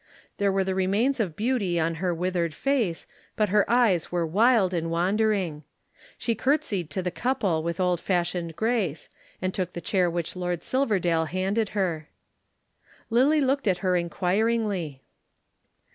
There were the remains of beauty on her withered face but her eyes were wild and wandering. She curtseyed to the couple with old fashioned grace, and took the chair which Lord Silverdale handed her. Lillie looked at her inquiringly.